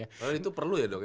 karena itu perlu ya dok ya